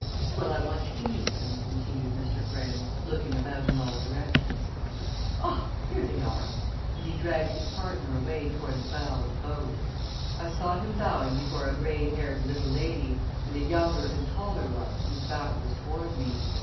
"Well, I want you to meet them," continued Mr. Graham, looking about in all directions. "Ah, here they are!" and he dragged his partner away toward the bow of the boat. I saw him bowing before a gray haired little lady, and a younger and taller one whose back was toward me.